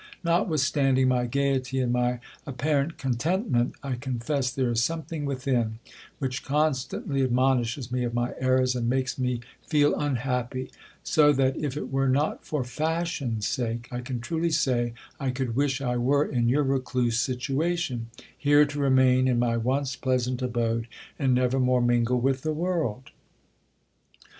Notwithstanding my gaiety, and my appar ent contentment, I confess there is something tvithin, "which constantly admonishes me of my errors, and makes iie feel unhappy : so that, if it were not for fashion''s sake, I can truly say, I could wish I were in your re* cluse situation; here to remain, in my once pleasant abode, and never more mingle with the world.